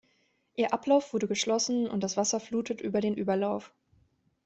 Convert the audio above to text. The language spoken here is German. Ihr Ablauf wurde geschlossen und das Wasser flutet über den Überlauf.